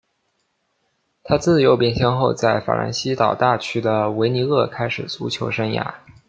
他自幼便先后在法兰西岛大区的维尼厄开始足球生涯。